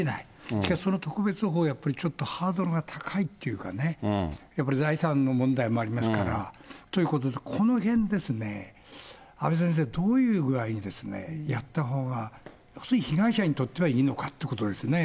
それからその特別法、ちょっとハードルが高いっていうかね、やっぱり財産の問題もありますから、ということで、このへんですね、阿部先生、どういう具合にやったほうが、要するに被害者にとってはいいのかってことですね。